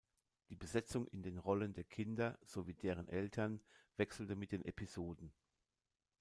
Die Besetzung in den Rollen der Kinder sowie deren Eltern wechselte mit den Episoden.